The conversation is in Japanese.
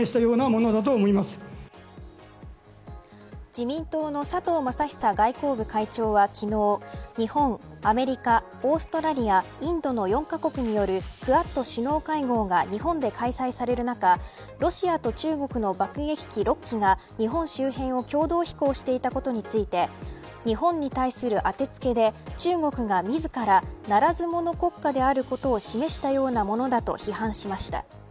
自民党の佐藤正久外交部会長は昨日日本、アメリカ、オーストラリアインドの４カ国によるクアッド首脳会合が日本で開催される中ロシアと中国の爆撃機６機が日本周辺を共同飛行していたことについて日本に対する当て付けで中国が自らならず者国家であることを示したようなものだと批判しました。